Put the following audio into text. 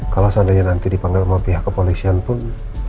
kalau seandainya nanti dipanggil sama pihak kepolisian pun